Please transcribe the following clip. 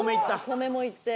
米もいって。